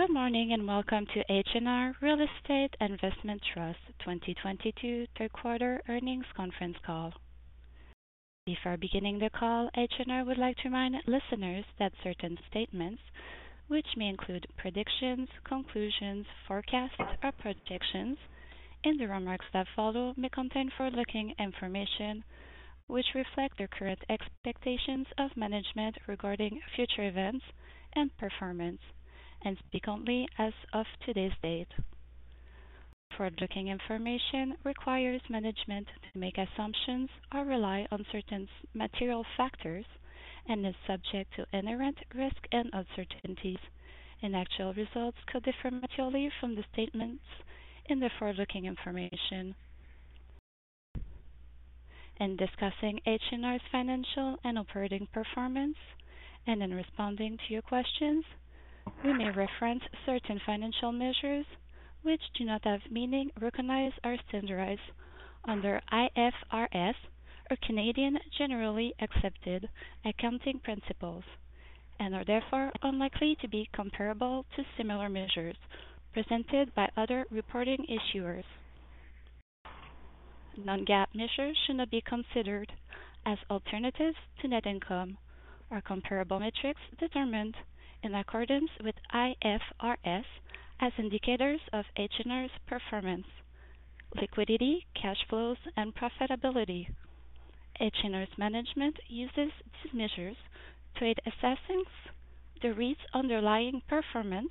Good morning, and welcome to H&R Real Estate Investment Trust 2022 third quarter earnings conference call. Before beginning the call, H&R would like to remind listeners that certain statements, which may include predictions, conclusions, forecasts, or projections in the remarks that follow may contain forward-looking information which reflect their current expectations of management regarding future events and performance, and speak only as of today's date. Forward-looking information requires management to make assumptions or rely on certain material factors and is subject to inherent risks and uncertainties. Actual results could differ materially from the statements in the forward-looking information. In discussing H&R's financial and operating performance, and in responding to your questions, we may reference certain financial measures which do not have meaning recognized or standardized under IFRS or Canadian generally accepted accounting principles and are therefore unlikely to be comparable to similar measures presented by other reporting issuers. Non-GAAP measures should not be considered as alternatives to net income or comparable metrics determined in accordance with IFRS as indicators of H&R's performance, liquidity, cash flows, and profitability. H&R's management uses these measures to aid in assessing the REIT's underlying performance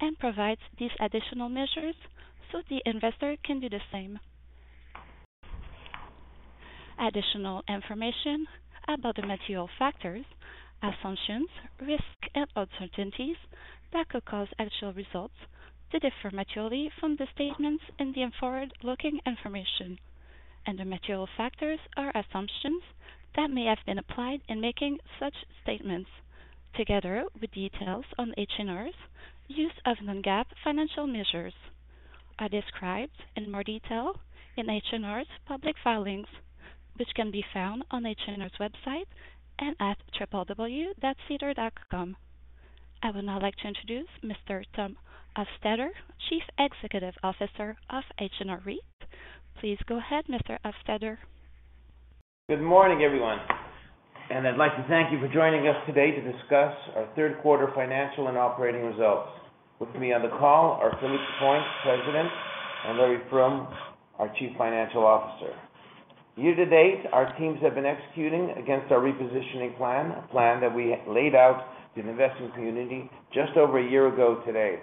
and provides these additional measures so the investor can do the same. Additional information about the material factors, assumptions, risks, and uncertainties that could cause actual results to differ materially from the statements in the forward-looking information and the material factors or assumptions that may have been applied in making such statements, together with details on H&R's use of non-GAAP financial measures, are described in more detail in H&R's public filings, which can be found on H&R's website and at www.sedar.com. I would now like to introduce Mr. Tom Hofstedter, Chief Executive Officer of H&R REIT. Please go ahead, Mr. Hofstedter. Good morning, everyone, and I'd like to thank you for joining us today to discuss our third quarter financial and operating results. With me on the call are Philippe Lapointe, President, and Larry Froom, our Chief Financial Officer. Year to date, our teams have been executing against our repositioning plan, a plan that we laid out to the investment community just over a year ago today.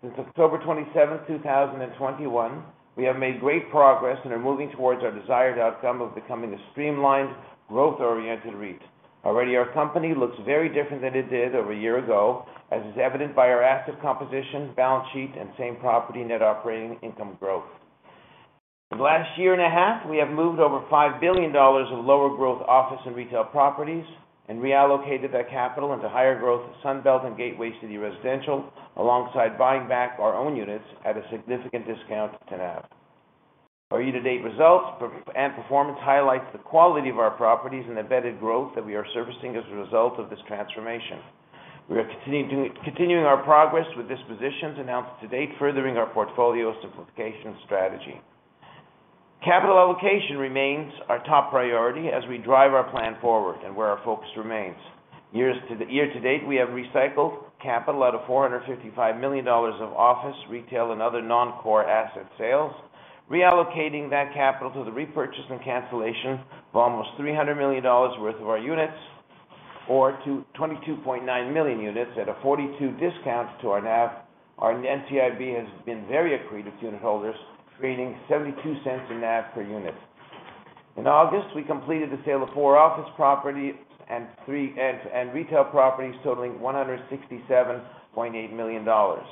Since October 27, 2021, we have made great progress and are moving towards our desired outcome of becoming a streamlined, growth-oriented REIT. Already our company looks very different than it did over a year ago, as is evident by our asset composition, balance sheet, and same-property net operating income growth. Over the last year and a half, we have moved over 5 billion dollars of lower growth office and retail properties and reallocated that capital into higher growth Sun Belt and gateway city residential, alongside buying back our own units at a significant discount to NAV. Our year-to-date results and performance highlights the quality of our properties and embedded growth that we are servicing as a result of this transformation. We are continuing our progress with dispositions announced to date, furthering our portfolio simplification strategy. Capital allocation remains our top priority as we drive our plan forward and where our focus remains. Year to date, we have recycled capital out of 455 million dollars of office, retail, and other non-core asset sales, reallocating that capital to the repurchase and cancellation of almost 300 million dollars worth of our units or to 22.9 million units at a 42% discount to our NAV. Our NCIB has been very accretive to unitholders, creating 0.72 in NAV per unit. In August, we completed the sale of four office properties and three and retail properties totaling 167.8 million dollars.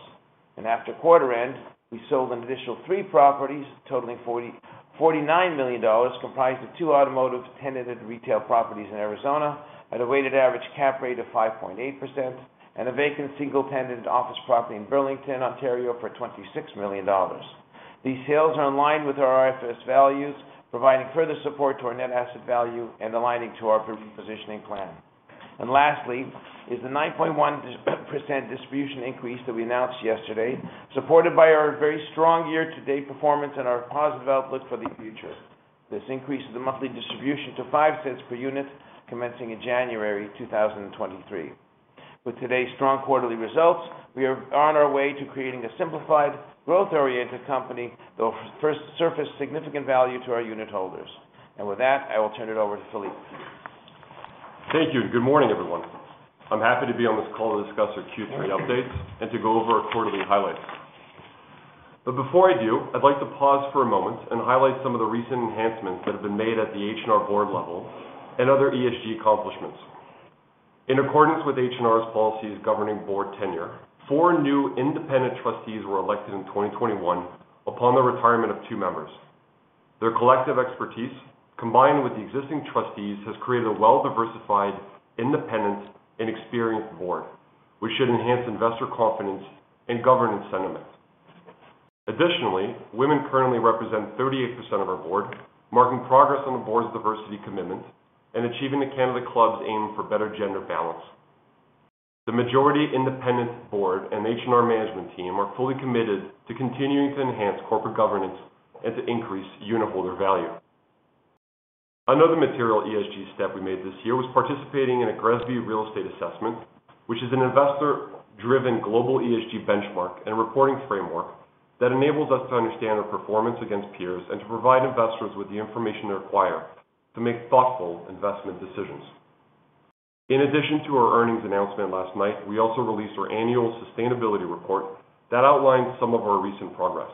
After quarter end, we sold an additional three properties totaling 49 million dollars, comprised of two automotive tenanted retail properties in Arizona at a weighted average cap rate of 5.8% and a vacant single-tenant office property in Burlington, Ontario, for 26 million dollars. These sales are in line with our IFRS values, providing further support to our net asset value and aligning to our positioning plan. Lastly is the 9.1% distribution increase that we announced yesterday, supported by our very strong year-to-date performance and our positive outlook for the future. This increases the monthly distribution to CAD $0.05 per unit commencing in January 2023. With today's strong quarterly results, we are on our way to creating a simplified, growth-oriented company that will first surface significant value to our unitholders. With that, I will turn it over to Philippe. Thank you. Good morning, everyone. I'm happy to be on this call to discuss our Q3 updates and to go over our quarterly highlights. Before I do, I'd like to pause for a moment and highlight some of the recent enhancements that have been made at the H&R board level and other ESG accomplishments. In accordance with H&R's policies governing board tenure, four new independent trustees were elected in 2021 upon the retirement of two members. Their collective expertise, combined with the existing trustees, has created a well-diversified, independent, and experienced board, which should enhance investor confidence and governance sentiment. Additionally, women currently represent 38% of our board, marking progress on the board's diversity commitment and achieving the 30% Club Canada's aim for better gender balance. The majority independent board and H&R management team are fully committed to continuing to enhance corporate governance and to increase unitholder value. Another material ESG step we made this year was participating in a GRESB real estate assessment, which is an investor-driven global ESG benchmark and reporting framework that enables us to understand our performance against peers, and to provide investors with the information they require to make thoughtful investment decisions. In addition to our earnings announcement last night, we also released our annual sustainability report that outlines some of our recent progress.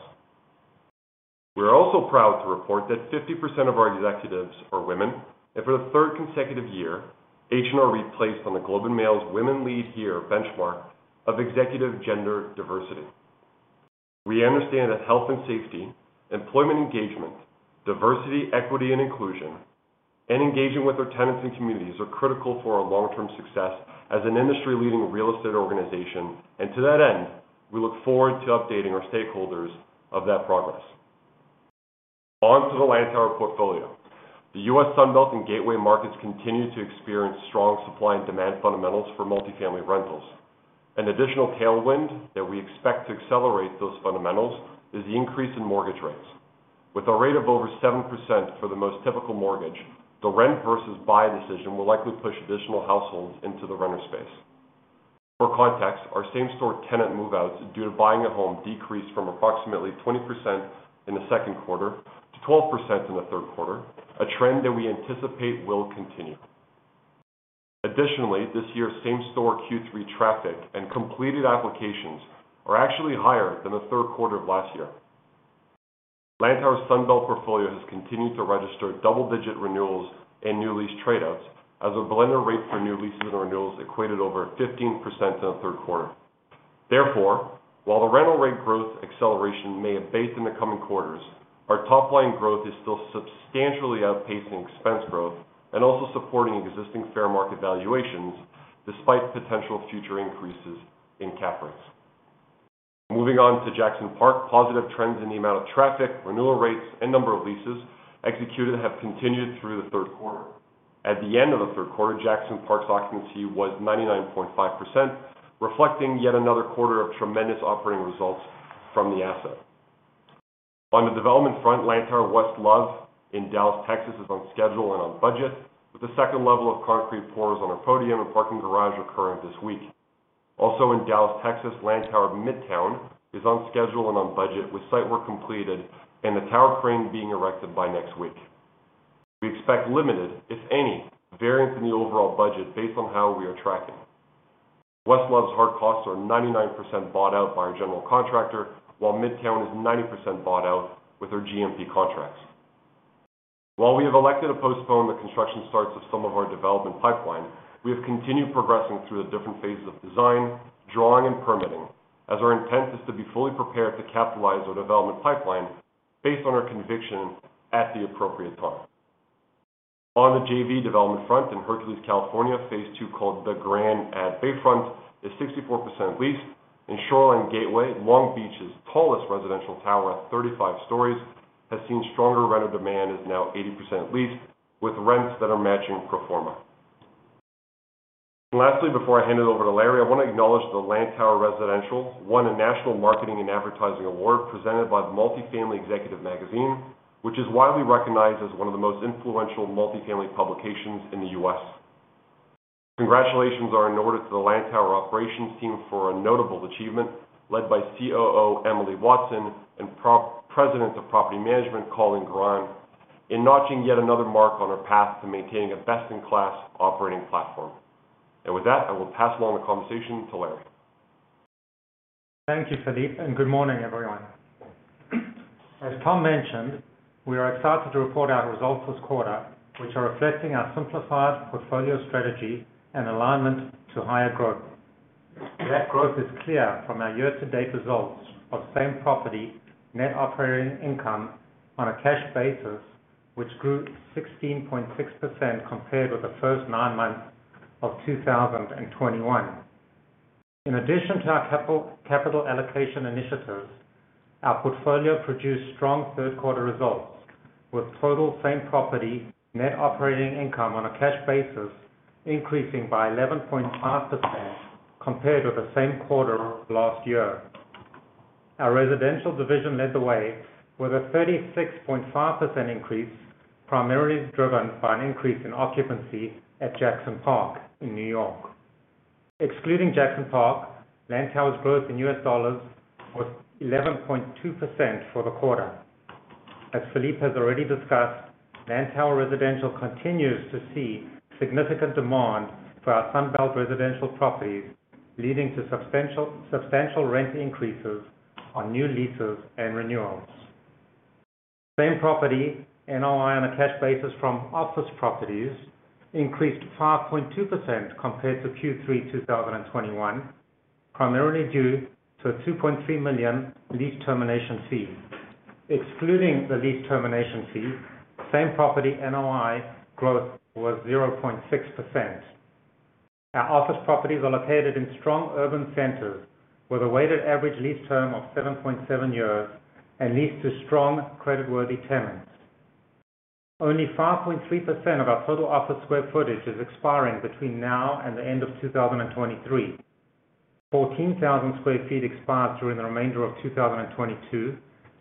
We are also proud to report that 50% of our executives are women. For the third consecutive year, H&R placed on The Globe and Mail's Women Lead Here benchmark of executive gender diversity. We understand that health and safety, employment engagement, diversity, equity, and inclusion, and engaging with our tenants and communities are critical for our long-term success as an industry-leading real estate organization. To that end, we look forward to updating our stakeholders of that progress. On to the Lantower portfolio. The U.S. Sunbelt and Gateway markets continue to experience strong supply and demand fundamentals for multifamily rentals. An additional tailwind that we expect to accelerate those fundamentals is the increase in mortgage rates. With a rate of over 7% for the most typical mortgage, the rent versus buy decision will likely push additional households into the renter space. For context, our same-store tenant move-outs due to buying a home decreased from approximately 20% in the second quarter to 12% in the third quarter, a trend that we anticipate will continue. Additionally, this year's same-store Q3 traffic and completed applications are actually higher than the third quarter of last year. Lantower Sunbelt portfolio has continued to register double-digit renewals and new lease trade outs as a blended rate for new leases and renewals equated over 15% in the third quarter. Therefore, while the rental rate growth acceleration may have peaked in the coming quarters, our top line growth is still substantially outpacing expense growth and also supporting existing fair market valuations despite potential future increases in cap rates. Moving on to Jackson Park. Positive trends in the amount of traffic, renewal rates, and number of leases executed have continued through the third quarter. At the end of the third quarter, Jackson Park's occupancy was 99.5%, reflecting yet another quarter of tremendous operating results from the asset. On the development front, Lantower West Love in Dallas, Texas, is on schedule and on budget, with the second level of concrete pours on our podium and parking garage occurring this week. Also in Dallas, Texas, Lantower Midtown is on schedule and on budget, with site work completed and the tower crane being erected by next week. We expect limited, if any, variance in the overall budget based on how we are tracking. West Love's hard costs are 99% bought out by our general contractor, while Midtown is 90% bought out with our GMP contracts. While we have elected to postpone the construction starts of some of our development pipeline, we have continued progressing through the different phases of design, drawing, and permitting, as our intent is to be fully prepared to capitalize our development pipeline based on our conviction at the appropriate time. On the JV development front in Hercules, California, phase two, called The Grand at Bayfront, is 64% leased. In Shoreline Gateway, Long Beach's tallest residential tower at 35 stories has seen stronger rental demand, is now 80% leased with rents that are matching pro forma. Lastly, before I hand it over to Larry, I want to acknowledge that Lantower Residential won a national marketing and advertising award presented by the Multifamily Executive Magazine, which is widely recognized as one of the most influential multifamily publications in the U.S. Congratulations are in order to the Lantower operations team for a notable achievement led by COO Emily Watson and President of Property Management, Colin Grant, in notching yet another mark on our path to maintaining a best-in-class operating platform. With that, I will pass along the conversation to Larry. Thank you, Philippe, and good morning, everyone. As Tom mentioned, we are excited to report our results this quarter, which are reflecting our simplified portfolio strategy and alignment to higher growth. That growth is clear from our year-to-date results of same-property net operating income on a cash basis, which grew 16.6% compared with the first nine months of 2021. In addition to our capital allocation initiatives, our portfolio produced strong third quarter results, with total same-property net operating income on a cash basis increasing by 11.5% compared with the same quarter of last year. Our residential division led the way with a 36.5% increase, primarily driven by an increase in occupancy at Jackson Park in New York. Excluding Jackson Park, Lantower's growth in U.S. dollars was 11.2% for the quarter. As Philippe has already discussed, Lantower Residential continues to see significant demand for our Sunbelt residential properties, leading to substantial rent increases on new leases and renewals. Same-property NOI on a cash basis from office properties increased 5.2% compared to Q3 2021, primarily due to a 2.3 million lease termination fee. Excluding the lease termination fee, same property NOI growth was 0.6%. Our office properties are located in strong urban centers with a weighted average lease term of 7.7 years and leased to strong creditworthy tenants. Only 5.3% of our total office square footage is expiring between now and the end of 2023. 14,000 sq ft expires during the remainder of 2022,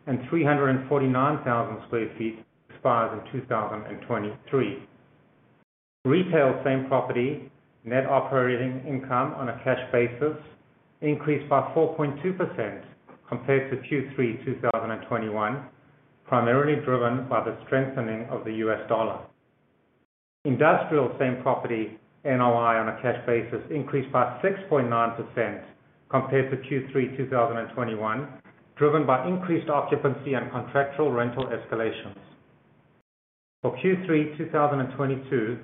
and 349,000 sq ft expires in 2023. Retail same property net operating income on a cash basis increased by 4.2% compared to Q3 2021, primarily driven by the strengthening of the US dollar. Industrial same property NOI on a cash basis increased by 6.9% compared to Q3 2021, driven by increased occupancy and contractual rental escalations. For Q3 2022,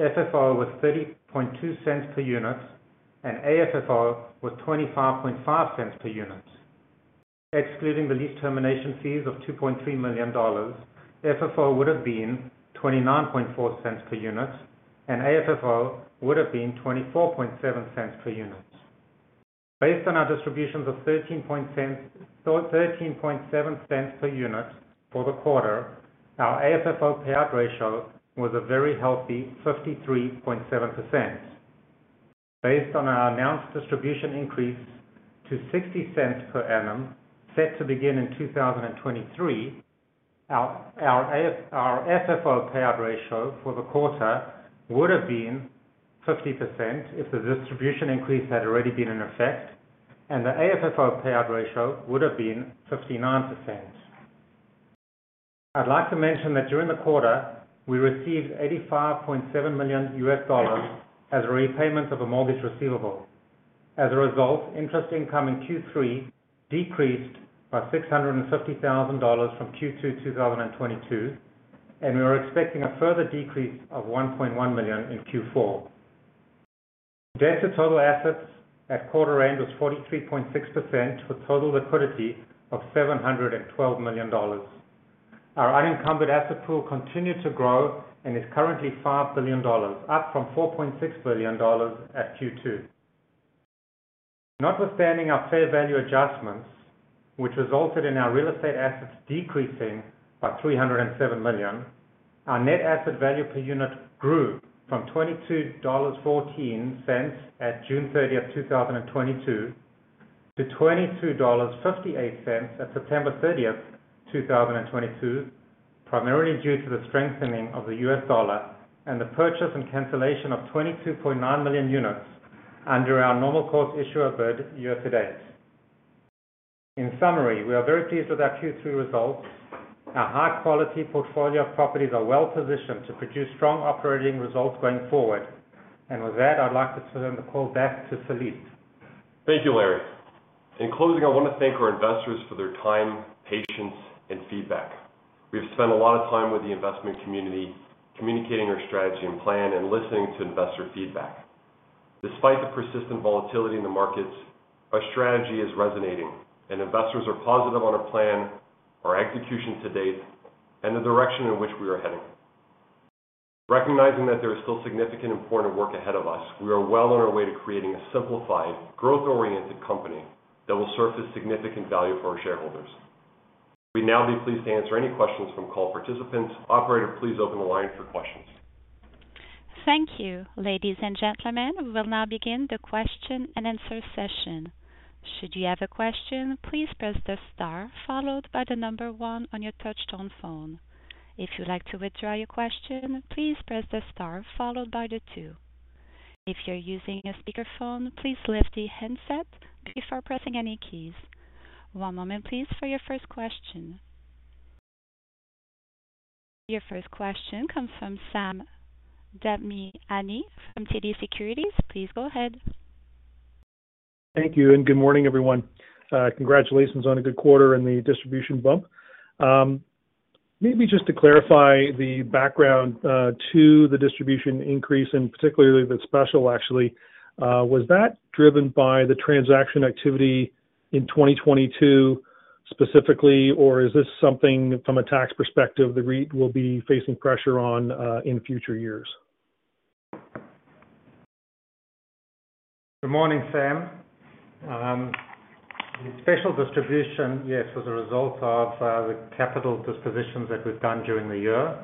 FFO was 0.302 per unit and AFFO was 0.255 per unit. Excluding the lease termination fees of $2.3 million, FFO would have been 0.294 per unit, and AFFO would have been 0.247 per unit. Based on our distributions of 0.137 per unit for the quarter, our AFFO payout ratio was a very healthy 53.7%. Based on our announced distribution increase to 0.60 per annum set to begin in 2023, our FFO payout ratio for the quarter would have been 50% if the distribution increase had already been in effect, and the AFFO payout ratio would have been 59%. I'd like to mention that during the quarter, we received $85.7 million as a repayment of a mortgage receivable. As a result, interest income in Q3 decreased by 650 thousand dollars from Q2 2022, and we are expecting a further decrease of 1.1 million in Q4. Debt to total assets at quarter end was 43.6%, with total liquidity of 712 million dollars. Our unencumbered asset pool continued to grow and is currently 5 billion dollars, up from 4.6 billion dollars at Q2. Not withstanding our fair value adjustments, which resulted in our real estate assets decreasing by 307 million, our net asset value per unit grew from 22.14 dollars at June 30, 2022 to 22.58 dollars at September 30, 2022, primarily due to the strengthening of the US dollar and the purchase and cancellation of 22.9 million units under our normal course issuer bid year to date. In summary, we are very pleased with our Q3 results. Our high quality portfolio of properties are well positioned to produce strong operating results going forward. With that, I'd like to turn the call back to Philippe. Thank you, Larry. In closing, I wanna thank our investors for their time, patience, and feedback. We have spent a lot of time with the investment community communicating our strategy and plan and listening to investor feedback. Despite the persistent volatility in the markets, our strategy is resonating and investors are positive on our plan, our execution to date, and the direction in which we are heading. Recognizing that there is still significant important work ahead of us, we are well on our way to creating a simplified, growth-oriented company that will surface significant value for our shareholders. We'd now be pleased to answer any questions from call participants. Operator, please open the line for questions. Thank you. Ladies and gentlemen, we will now begin the question-and-answer session. Should you have a question, please press the star followed by the number one on your touchtone phone. If you'd like to withdraw your question, please press the star followed by the two. If you're using a speakerphone, please lift the handset before pressing any keys. One moment please for your first question. Your first question comes from Sam Damiani from TD Securities. Please go ahead. Thank you and good morning, everyone. Congratulations on a good quarter in the distribution bump. Maybe just to clarify the background to the distribution increase, and particularly the special actually, was that driven by the transaction activity in 2022 specifically, or is this something from a tax perspective the REIT will be facing pressure on in future years? Good morning, Sam. The special distribution, yes, was a result of the capital dispositions that we've done during the year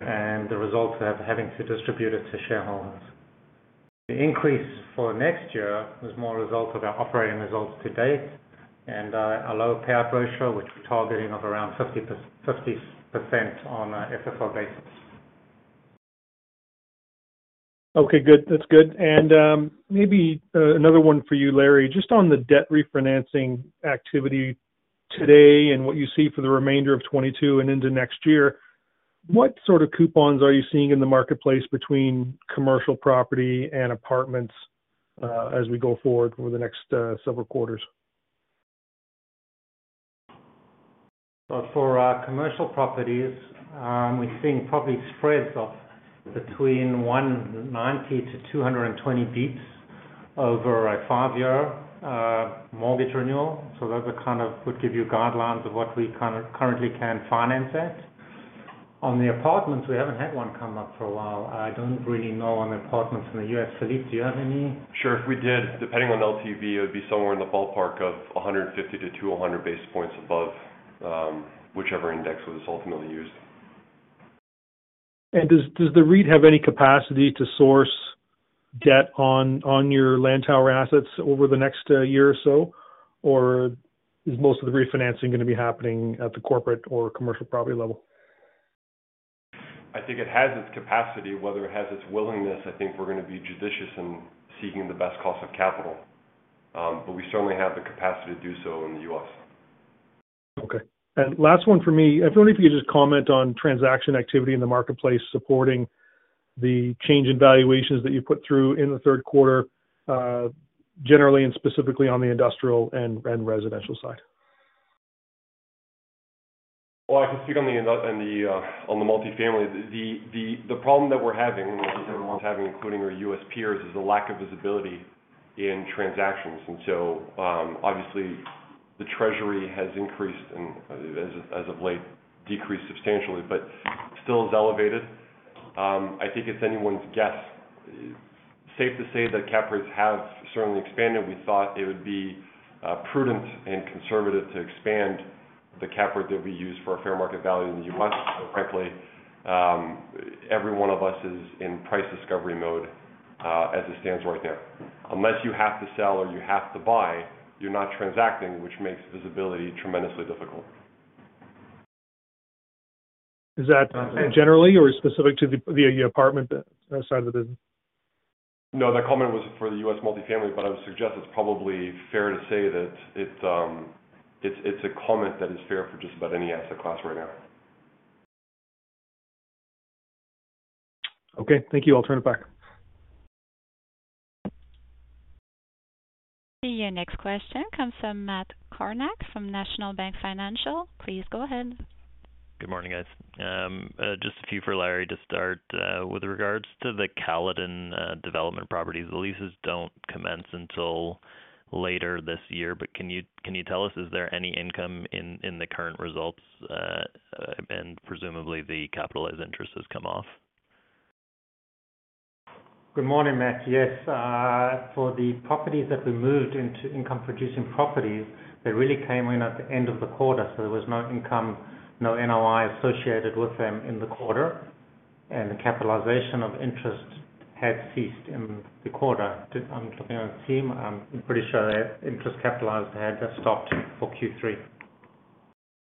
and the result of having to distribute it to shareholders. The increase for next year was more a result of our operating results to date and a lower payout ratio, which we're targeting of around 50% on a FFO basis. Okay, good. That's good. Maybe, another one for you, Larry. Just on the debt refinancing activity today and what you see for the remainder of 2022 and into next year, what sort of coupons are you seeing in the marketplace between commercial property and apartments, as we go forward over the next, several quarters? For our commercial properties, we're seeing probably spreads of between 190-220 basis points over a five-year mortgage renewal. Those would give you guidelines of what we currently can finance at. On the apartments, we haven't had one come up for a while. I don't really know on apartments in the U.S. Philippe, do you have any? Sure. If we did, depending on LTV, it would be somewhere in the ballpark of 150-200 basis points above, whichever index was ultimately used. Does the REIT have any capacity to source debt on your Lantower assets over the next year or so? Or is most of the refinancing gonna be happening at the corporate or commercial property level? I think it has its capacity. Whether it has its willingness, I think we're gonna be judicious in seeking the best cost of capital. We certainly have the capacity to do so in the U.S. Okay. Last one for me. I was wondering if you could just comment on transaction activity in the marketplace supporting the change in valuations that you put through in the third quarter, generally and specifically on the industrial and residential side? Well, I can speak on the multifamily. The problem that we're having, which is everyone's having, including our U.S. peers, is the lack of visibility in transactions. Obviously, the Treasury has increased and as of late, decreased substantially, but still is elevated. I think it's anyone's guess. Safe to say that cap rates have certainly expanded. We thought it would be prudent and conservative to expand the cap rate that we use for a fair market value in the U.S. But frankly, every one of us is in price discovery mode as it stands right now. Unless you have to sell or you have to buy, you're not transacting, which makes visibility tremendously difficult. Is that generally or specific to the apartment side of the business? No, that comment was for the U.S. multifamily, but I would suggest it's probably fair to say that it's a comment that is fair for just about any asset class right now. Okay. Thank you. I'll turn it back. The next question comes from Matt Kornack from National Bank Financial. Please go ahead. Good morning, guys. Just a few for Larry to start with regards to the Caledon development properties. The leases don't commence until later this year. Can you tell us, is there any income in the current results, and presumably the capitalized interest has come off? Good morning, Matt. Yes, for the properties that we moved into income-producing properties, they really came in at the end of the quarter, so there was no income, no NOI associated with them in the quarter, and the capitalization of interest had ceased in the quarter. I'm looking at the team. I'm pretty sure their interest capitalization had stopped for Q3.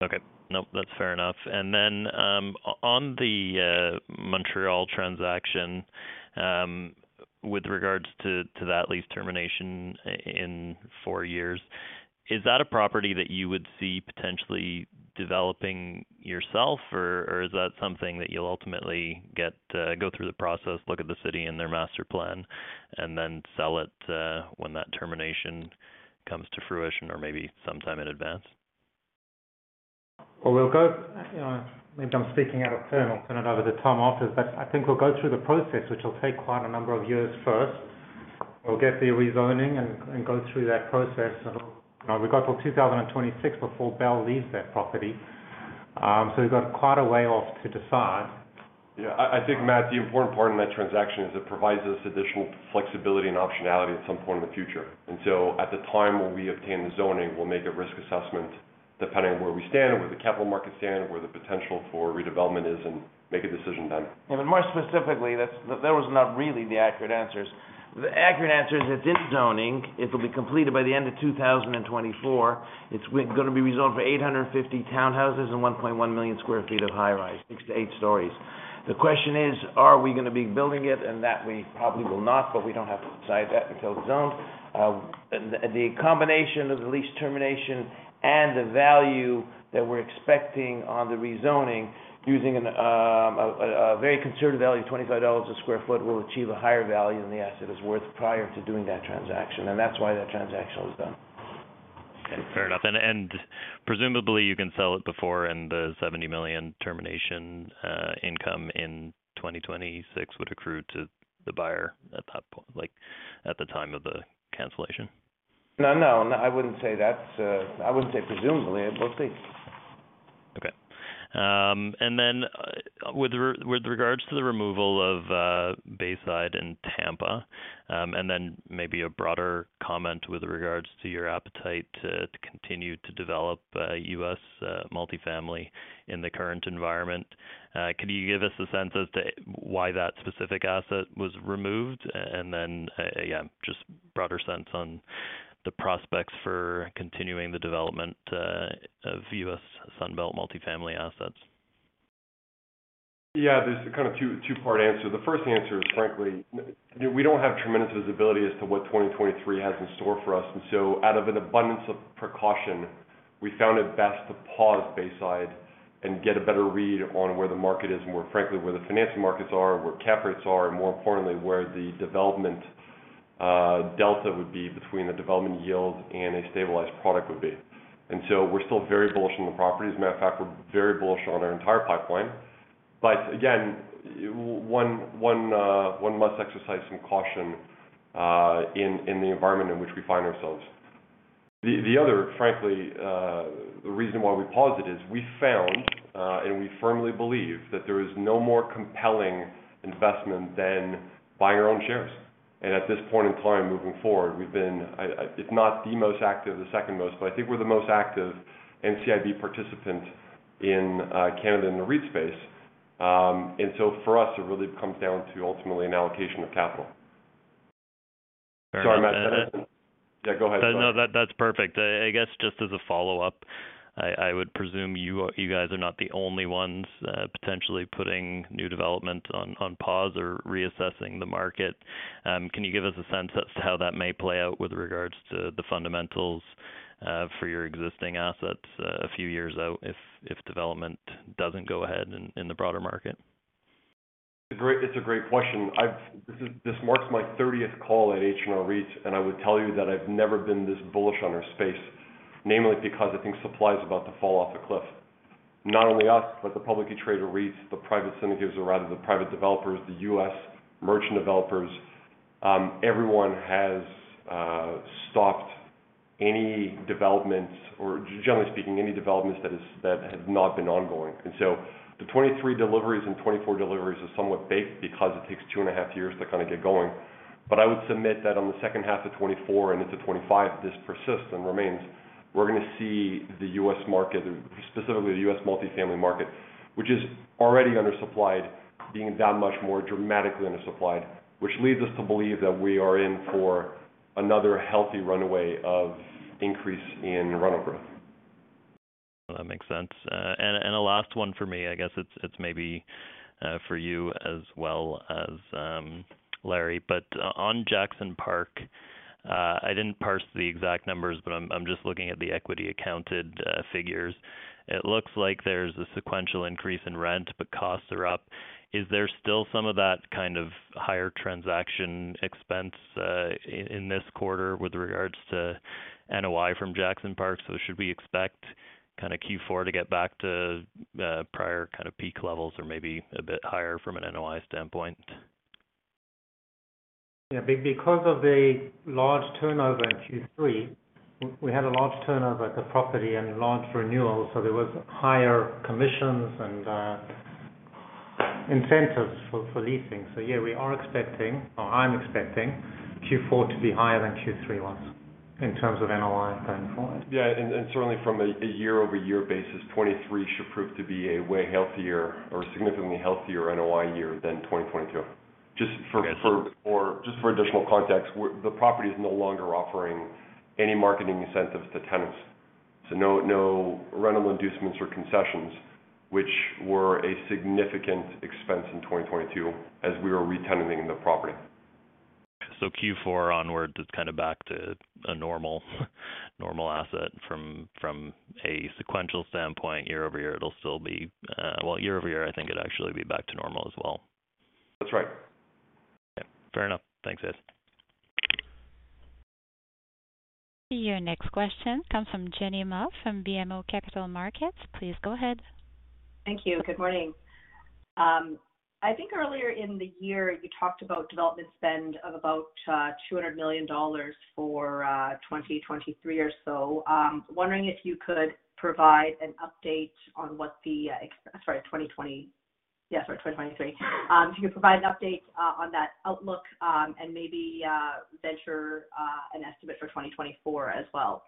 Okay. Nope, that's fair enough. On the Montreal transaction, with regards to that lease termination in four years, is that a property that you would see potentially developing yourself, or is that something that you'll ultimately go through the process, look at the city and their master plan and then sell it, when that termination comes to fruition or maybe sometime in advance? You know, maybe I'm speaking out of turn. I'll turn it over to Tom after. I think we'll go through the process, which will take quite a number of years first. We'll get the rezoning and go through that process. You know, we got till 2026 before Bell leaves that property. We've got quite a way off to decide. Yeah. I think, Matt, the important part in that transaction is it provides us additional flexibility and optionality at some point in the future. At the time when we obtain the zoning, we'll make a risk assessment depending on where we stand or where the capital market stand, where the potential for redevelopment is and make a decision then. More specifically, that was not really the accurate answer. The accurate answer is it's in zoning. It'll be completed by the end of 2024. It's going to be rezoned for 850 townhouses and 1.1 million sq ft of high-rise, six to eight stories. The question is, are we gonna be building it? That we probably will not, but we don't have to decide that until it's zoned. The combination of the lease termination and the value that we're expecting on the rezoning using a very conservative value, 25 dollars a sq ft, will achieve a higher value than the asset is worth prior to doing that transaction, and that's why that transaction was done. Okay. Fair enough. Presumably, you can sell it before, and the 70 million termination income in 2026 would accrue to the buyer at that point, like, at the time of the cancellation. No, no, I wouldn't say that's, I wouldn't say presumably. We'll see. Okay. With regards to the removal of Bayside in Tampa, and then maybe a broader comment with regards to your appetite to continue to develop U.S. multifamily in the current environment, could you give us a sense as to why that specific asset was removed? And then, yeah, just broader sense on the prospects for continuing the development of U.S. Sunbelt multifamily assets. Yeah, there's a kind of two-part answer. The first answer is, frankly, we don't have tremendous visibility as to what 2023 has in store for us. Out of an abundance of precaution, we found it best to pause Bayside and get a better read on where the market is, more frankly, where the financing markets are, where cap rates are, and more importantly, where the development delta would be between the development yield and a stabilized product would be. We're still very bullish on the properties. Matter of fact, we're very bullish on our entire pipeline. One must exercise some caution in the environment in which we find ourselves. The other frankly reason why we paused it is we found and we firmly believe that there is no more compelling investment than buying our own shares. At this point in time moving forward, we've been, if not the most active, the second most, but I think we're the most active NCIB participant in Canada in the REIT space. For us, it really comes down to ultimately an allocation of capital. Fair enough. Sorry, Matt. Yeah, go ahead, sorry. No, that's perfect. I guess, just as a follow-up, I would presume you guys are not the only ones potentially putting new development on pause or reassessing the market. Can you give us a sense as to how that may play out with regards to the fundamentals for your existing assets a few years out if development doesn't go ahead in the broader market? It's a great question. This marks my 30th call at H&R REIT, and I would tell you that I've never been this bullish on our space. Namely because I think supply is about to fall off a cliff. Not only us, but the publicly traded REITs, the private syndicators or rather the private developers, the U.S. merchant developers, everyone has stopped any developments or generally speaking, any developments that have not been ongoing. The 2023 deliveries and 2024 deliveries is somewhat baked because it takes 2.5 years to kind of get going. I would submit that on the second half of 2024 and into 2025, this persists and remains. We're gonna see the U.S. market, specifically the U.S. multifamily market, which is already undersupplied, being that much more dramatically undersupplied. Which leads us to believe that we are in for another healthy runaway of increase in rental growth. That makes sense. A last one for me, I guess it's maybe for you as well as Larry. On Jackson Park, I didn't parse the exact numbers, but I'm just looking at the equity accounted figures. It looks like there's a sequential increase in rent, but costs are up. Is there still some of that kind of higher transaction expense in this quarter with regards to NOI from Jackson Park? Should we expect kind of Q4 to get back to prior kind of peak levels or maybe a bit higher from an NOI standpoint? Yeah. Because of the large turnover in Q3, we had a large turnover at the property and large renewals, so there was higher commissions and incentives for leasing. Yeah, we are expecting or I'm expecting Q4 to be higher than Q3 was in terms of NOI going forward. Certainly from a year-over-year basis, 2023 should prove to be a way healthier or significantly healthier NOI year than 2022. Just for additional context, the property is no longer offering any marketing incentives to tenants. No rental inducements or concessions, which were a significant expense in 2022 as we were re-tenanting the property. Q4 onwards, it's kind of back to a normal asset from a sequential standpoint. Year over year, it'll still be. Well, year over year, I think it'll actually be back to normal as well. That's right. Okay. Fair enough. Thanks, guys. Your next question comes from Jenny Ma from BMO Capital Markets. Please go ahead. Thank you. Good morning. I think earlier in the year, you talked about development spend of about 200 million dollars for 2023 or so. Wondering if you could provide an update on that outlook, and maybe venture an estimate for 2024 as well.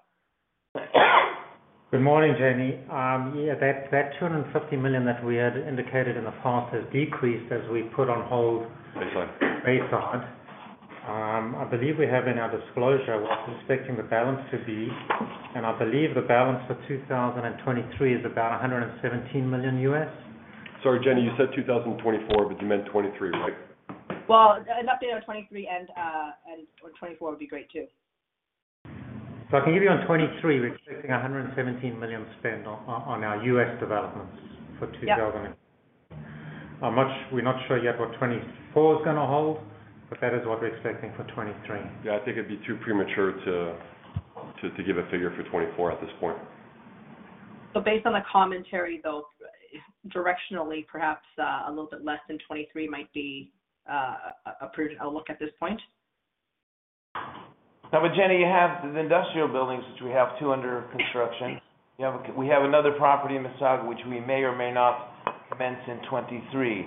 Good morning, Jenny. That 250 million that we had indicated in the past has decreased as we put on hold Bayside. I believe we have in our disclosure. We're expecting the balance to be, and I believe the balance for 2023 is about $117 million US. Sorry, Jenny, you said 2024, but you meant 23, right? Well, an update on 2023 and 2024 would be great too. I can give you on 2023, we're expecting 117 million spend on our U.S. developments for 2000 and- Yeah. We're not sure yet what 2024 is gonna hold, but that is what we're expecting for 2023. Yeah. I think it'd be too premature to give a figure for 2024 at this point. Based on the commentary, though, directionally, perhaps, a little bit less than 23 might be approved, a look at this point. Now with Jenny, you have the industrial buildings, which we have two under construction. We have another property in Mississauga, which we may or may not commence in 2023.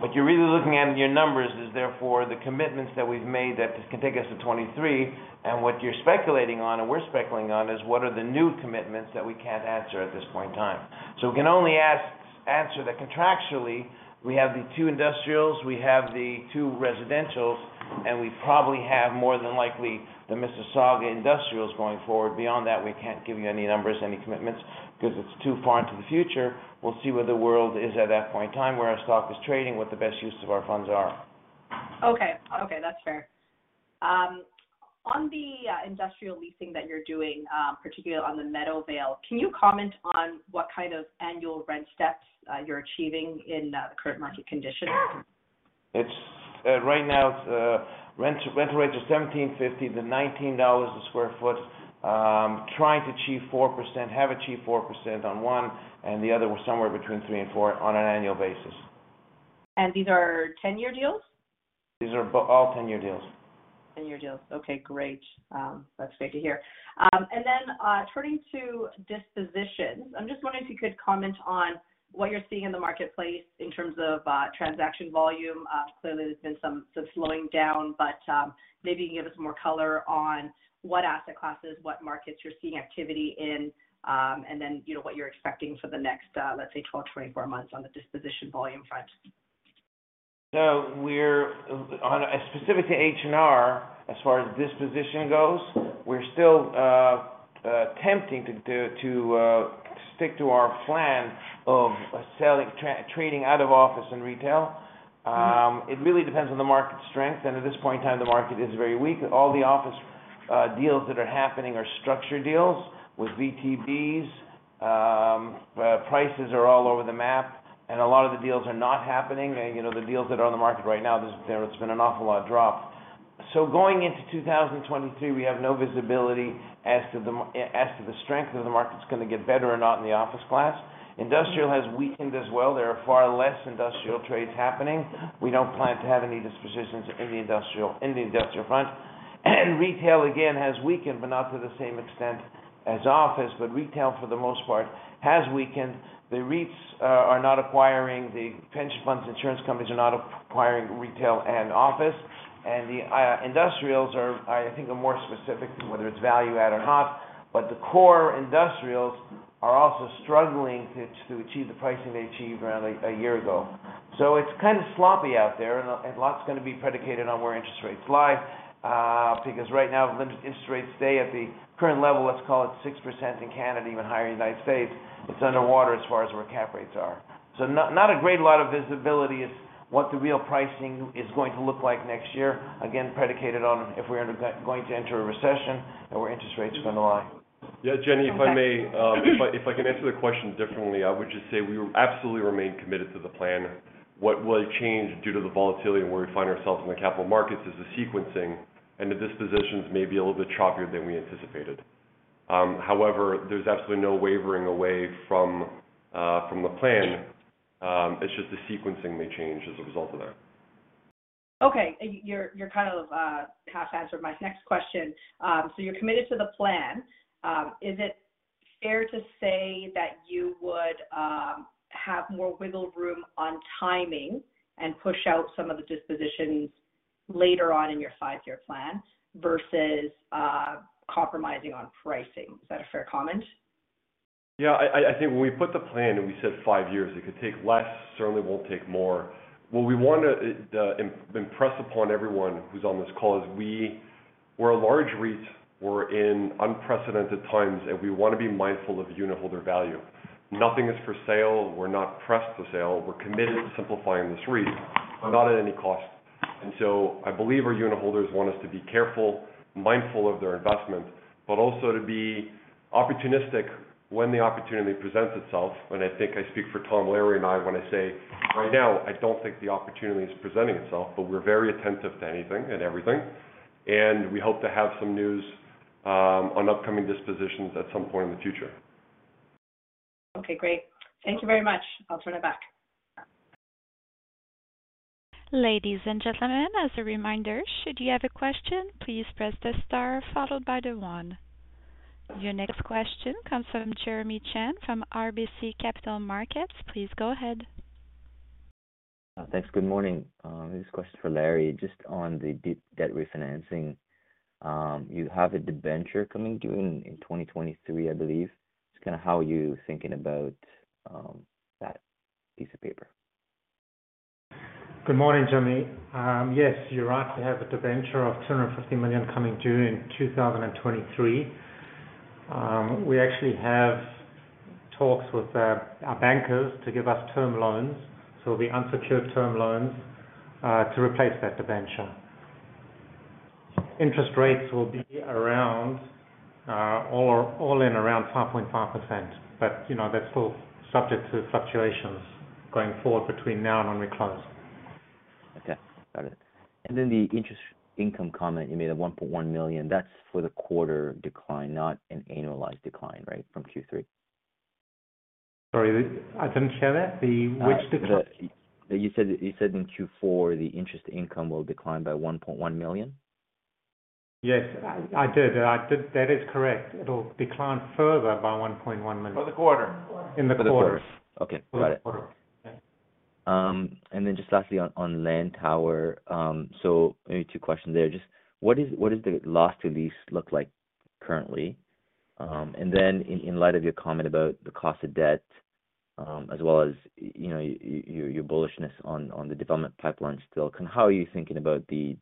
What you're really looking at in your numbers is therefore the commitments that we've made that can take us to 2023. What you're speculating on and we're speculating on is what are the new commitments that we can't answer at this point in time. We can only answer that contractually, we have the two industrials, we have the two residentials, and we probably have more than likely the Mississauga industrials going forward. Beyond that, we can't give you any numbers, any commitments, because it's too far into the future. We'll see where the world is at that point in time, where our stock is trading, what the best use of our funds are. Okay. Okay, that's fair. On the industrial leasing that you're doing, particularly on the Meadowvale, can you comment on what kind of annual rent steps you're achieving in the current market conditions? Right now, rental rates are $17.50-$19 a sq ft. Trying to achieve 4%. Have achieved 4% on one, and the other was somewhere between 3% and 4% on an annual basis. These are ten-year deals? These are all ten-year deals. Ten-year deals. Okay, great. That's great to hear. And then turning to dispositions. I'm just wondering if you could comment on what you're seeing in the marketplace in terms of transaction volume. Clearly there's been some slowing down, but maybe you can give us more color on what asset classes, what markets you're seeing activity in, and then you know what you're expecting for the next, let's say, 12-24 months on the disposition volume front. On a specific to H&R, as far as disposition goes, we're still attempting to stick to our plan of selling, trading out of office and retail. It really depends on the market strength, and at this point in time, the market is very weak. All the office deals that are happening are structured deals with VTB's. Prices are all over the map, and a lot of the deals are not happening. The deals that are on the market right now, there's been an awful lot drop. Going into 2023, we have no visibility as to the strength of the market's gonna get better or not in the office class. Industrial has weakened as well. There are far less industrial trades happening. We don't plan to have any dispositions in the industrial front. Retail, again, has weakened, but not to the same extent as office. Retail, for the most part, has weakened. The REITs, pension funds, insurance companies are not acquiring retail and office. The industrials are, I think, more specific, whether it's value add or not. The core industrials are also struggling to achieve the pricing they achieved around a year ago. It's kind of sloppy out there, and a lot's gonna be predicated on where interest rates lie. Because right now if interest rates stay at the current level, let's call it 6% in Canada, even higher in United States, it's underwater as far as where cap rates are. Not a great lot of visibility is what the real pricing is going to look like next year. Again, predicated on if we're going to enter a recession and where interest rates are gonna lie. Yeah, Jenny, if I may, if I can answer the question differently, I would just say we absolutely remain committed to the plan. What will change due to the volatility and where we find ourselves in the capital markets is the sequencing and the dispositions may be a little bit choppier than we anticipated. However, there's absolutely no wavering away from the plan. It's just the sequencing may change as a result of that. Okay. You kind of half answered my next question. You're committed to the plan. Is it fair to say that you would have more wiggle room on timing and push out some of the dispositions later on in your five-year plan versus compromising on pricing? Is that a fair comment? Yeah. I think when we put the plan and we said five years, it could take less, certainly won't take more. What we wanna impress upon everyone who's on this call is we're a large REIT, we're in unprecedented times, and we wanna be mindful of unitholder value. Nothing is for sale. We're not pressed for sale. We're committed to simplifying this REIT, but not at any cost. I believe our unitholders want us to be careful, mindful of their investment, but also to be opportunistic when the opportunity presents itself. I think I speak for Tom, Larry, and I when I say right now, I don't think the opportunity is presenting itself, but we're very attentive to anything and everything, and we hope to have some news on upcoming dispositions at some point in the future. Okay, great. Thank you very much. I'll turn it back. Ladies and gentlemen, as a reminder, should you have a question, please press the star followed by the one. Your next question comes from Jimmy Shan from RBC Capital Markets. Please go ahead. Thanks. Good morning. This question is for Larry. Just on the debt refinancing. You have a debenture coming due in 2023, I believe. Just kinda how are you thinking about that piece of paper? Good morning, Jimmy. Yes, you're right. We have a debenture of 250 million coming due in 2023. We actually have talks with our bankers to give us term loans, so the unsecured term loans to replace that debenture. Interest rates will be around all in around 5.5%. You know, that's still subject to fluctuations going forward between now and when we close. Okay. Got it. The interest income comment you made of 1.1 million, that's for the quarter decline, not an annualized decline, right? From Q3. Sorry, I didn't hear that. Which decline? You said in Q4, the interest income will decline by 1.1 million. Yes. I did. That is correct. It'll decline further by 1.1 million. For the quarter. In the quarter. For the quarter. Okay. Got it. For the quarter. Yeah. Just lastly on Lantower. Maybe two questions there. Just what does the loss to lease look like currently? In light of your comment about the cost of debt, as well as, you know, your bullishness on the development pipeline still, kind of how are you thinking about the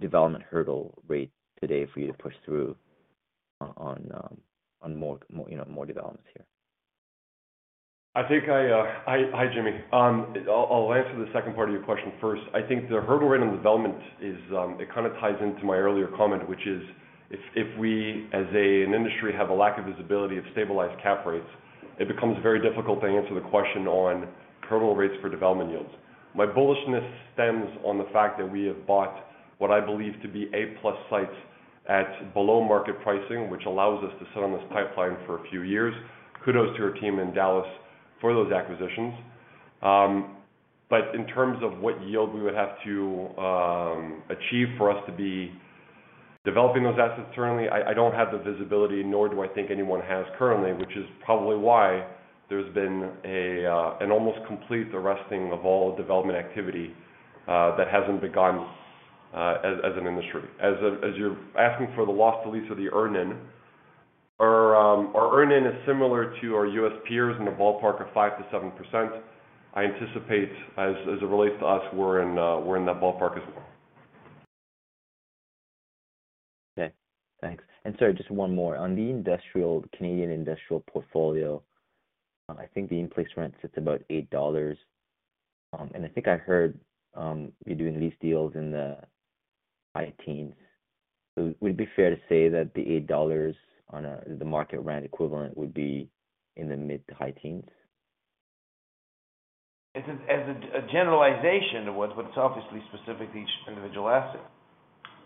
development hurdle rate today for you to push through on more, you know, more developments here? I think, Hi, Jimmy. I'll answer the second part of your question first. I think the hurdle rate on development is. It kind of ties into my earlier comment, which is if we as an industry have a lack of visibility of stabilized cap rates, it becomes very difficult to answer the question on hurdle rates for development yields. My bullishness stems on the fact that we have bought what I believe to be A-plus sites at below market pricing, which allows us to sit on this pipeline for a few years. Kudos to our team in Dallas for those acquisitions. In terms of what yield we would have to achieve for us to be developing those assets currently, I don't have the visibility, nor do I think anyone has currently, which is probably why there's been an almost complete arresting of all development activity that hasn't begun as an industry. You're asking for the cap rate or the earn-in, our earn-in is similar to our U.S. peers in the ballpark of 5%-7%. I anticipate as it relates to us, we're in that ballpark as well. Okay, thanks. Sorry, just one more. On the industrial, Canadian industrial portfolio, I think the in-place rent sits about 8 dollars. I think I heard you doing lease deals in the high teens. Would it be fair to say that the 8 dollars on the market rent equivalent would be in the mid to high teens? It's as a generalization it was, but it's obviously specific to each individual asset.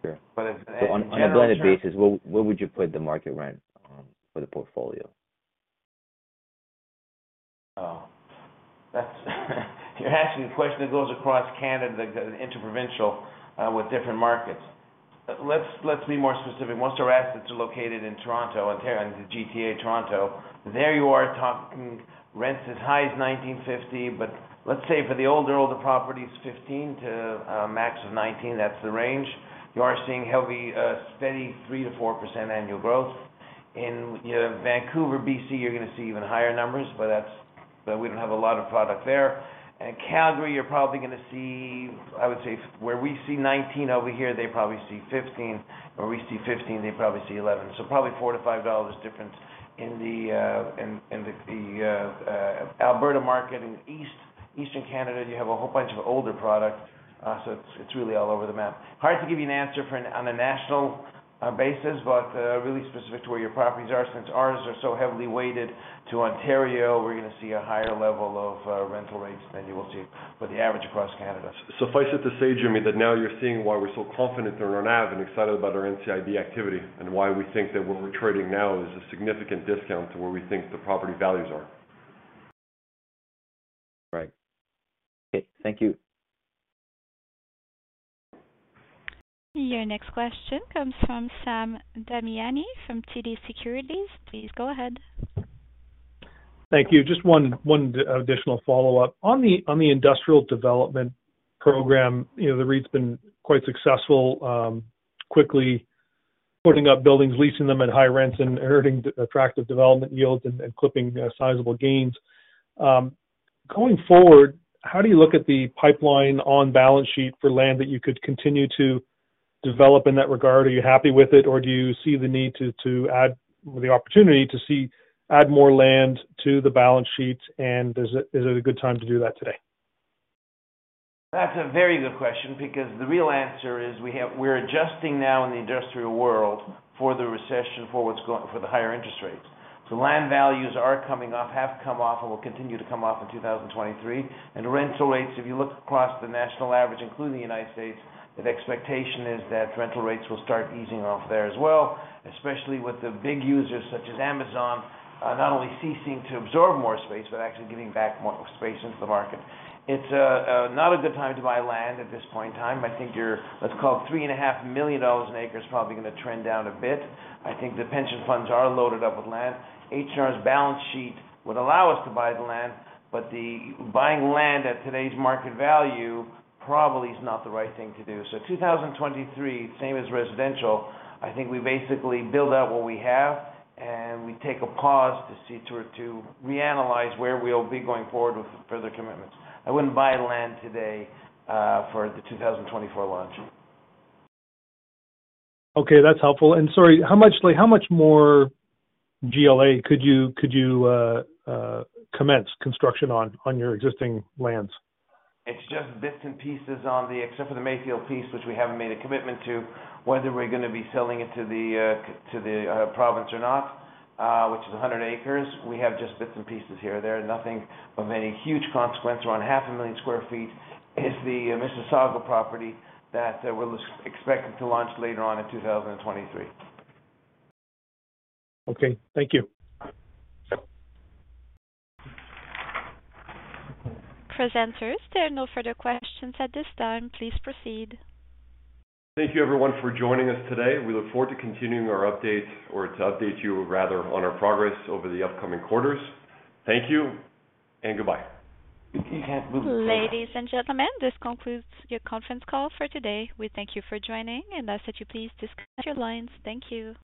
Sure. As a generalization. On a blended basis, where would you put the market rent for the portfolio? Oh, that's. You're asking a question that goes across Canada that goes interprovincial with different markets. Let's be more specific. Most of our assets are located in Toronto, in the GTA Toronto. There you are talking rents as high as 19.50, but let's say for the older properties, 15-19. That's the range. You are seeing healthy steady 3%-4% annual growth. In, you know, Vancouver, BC, you're gonna see even higher numbers, but that's. But we don't have a lot of product there. In Calgary, you're probably gonna see, I would say where we see 19 over here, they probably see 15. Where we see 15, they probably see 11. So probably 4-5 dollars difference in the Alberta market. In Eastern Canada, you have a whole bunch of older product, so it's really all over the map. Hard to give you an answer for on a national basis, but really specific to where your properties are, since ours are so heavily weighted to Ontario, we're gonna see a higher level of rental rates than you will see for the average across Canada. Suffice it to say, Jimmy, that now you're seeing why we're so confident in our NAV and excited about our NCIB activity and why we think that what we're trading now is a significant discount to where we think the property values are. Right. Okay. Thank you. Your next question comes from Sam Damiani from TD Securities. Please go ahead. Thank you. Just one additional follow-up. On the industrial development program, you know, the REIT's been quite successful quickly putting up buildings, leasing them at high rents, and earning attractive development yields and clipping sizable gains. Going forward, how do you look at the pipeline on balance sheet for land that you could continue to develop in that regard? Are you happy with it, or do you see the need to add the opportunity to add more land to the balance sheet? Is it a good time to do that today? That's a very good question because the real answer is we're adjusting now in the industrial world for the recession, for the higher interest rates. Land values are coming off, have come off, and will continue to come off in 2023. Rental rates, if you look across the national average, including United States, the expectation is that rental rates will start easing off there as well, especially with the big users such as Amazon, not only ceasing to absorb more space but actually giving back more space into the market. It's not a good time to buy land at this point in time. I think your, let's call it $3.5 million an acre is probably gonna trend down a bit. I think the pension funds are loaded up with land. H&R's balance sheet would allow us to buy the land, but the buying land at today's market value probably is not the right thing to do. 2023, same as residential, I think we basically build out what we have, and we take a pause to see, to reanalyze where we'll be going forward with further commitments. I wouldn't buy land today for the 2024 launch. Okay, that's helpful. Sorry, how much, like, how much more GLA could you commence construction on your existing lands? It's just bits and pieces on the. Except for the Mayfield piece, which we haven't made a commitment to, whether we're gonna be selling it to the province or not, which is 100 acres. We have just bits and pieces here and there. Nothing of any huge consequence. Around 500,000 sq ft is the Mississauga property that we're expecting to launch later on in 2023. Okay, thank you. Presenters, there are no further questions at this time. Please proceed. Thank you everyone for joining us today. We look forward to continuing our update or to update you rather, on our progress over the upcoming quarters. Thank you and goodbye. Ladies and gentlemen, this concludes your conference call for today. We thank you for joining, and I ask that you please disconnect your lines. Thank you.